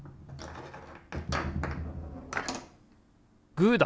グーだ！